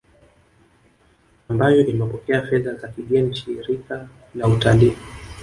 ambayo imepokea fedha za kigeni Shirika la Utalii